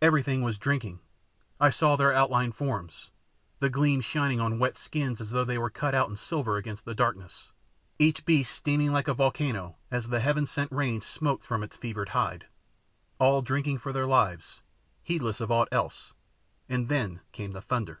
Everything was drinking. I saw their outlined forms, the gleam shining on wet skins as though they were cut out in silver against the darkness, each beast steaming like a volcano as the Heaven sent rain smoked from his fevered hide, all drinking for their lives, heedless of aught else and then came the thunder.